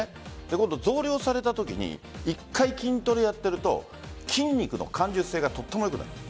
今度、増量されたときに１回筋トレをやっていると筋肉の感受性がとても良くなる。